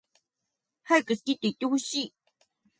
はやく好きっていってほしい